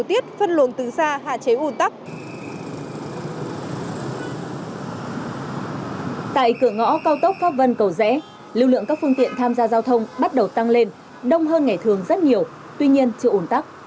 tại cửa ngõ cao tốc pháp vân cầu rẽ lưu lượng các phương tiện tham gia giao thông bắt đầu tăng lên đông hơn ngày thường rất nhiều tuy nhiên chưa ổn tắc